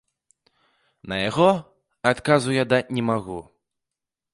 На яго адказу я даць не магу.